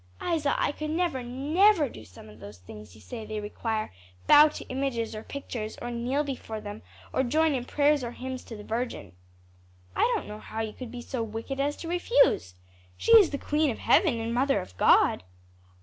"Isa, I could never, never do some of those things you say they require bow to images or pictures, or kneel before them, or join in prayers or hymns to the Virgin." "I don't know how you could be so wicked as to refuse. She is the queen of Heaven and mother of God."